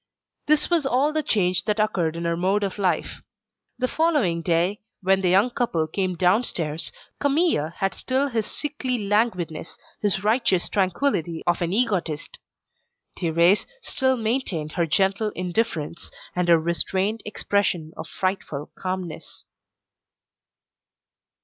This was all the change that occurred in her mode of life. The following day, when the young couple came downstairs, Camille had still his sickly languidness, his righteous tranquillity of an egotist. Thérèse still maintained her gentle indifference, and her restrained expression of frightful calmness.